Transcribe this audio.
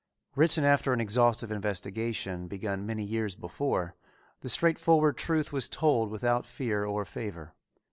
Written after an exhaustive investigation begun many years before, the straightforward truth was told without fear or favor.